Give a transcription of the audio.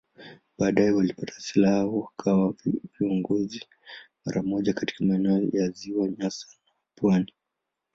Baadaye walipata silaha wakawa viongozi mara moja katika maeneo ya Ziwa Nyasa na pwani.